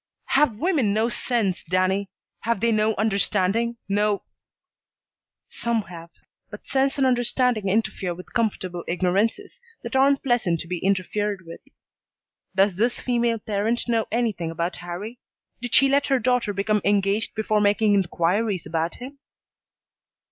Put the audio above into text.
"Have women no sense, Danny? Have they no understanding, no " "Some have. But sense and understanding interfere with comfortable ignorances that aren't pleasant to be interfered with. Does this female parent know anything about Harrie? Did she let her daughter become engaged before making inquiries about him?"